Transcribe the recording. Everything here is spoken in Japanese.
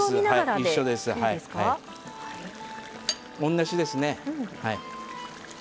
同じですね。